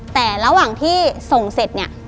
แต่ระหว่างที่ส่งเสร็จเนี่ย